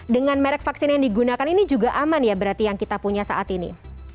dengan merek vaksin yang digunakan ini juga aman ya berarti yang kita punya saat ini